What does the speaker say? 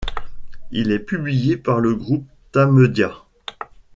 Il est publié par le groupe Tamedia.